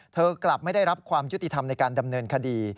กลับไม่ได้รับความยุติธรรมในการดำเนินคดี